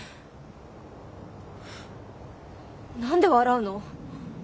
何で笑うの？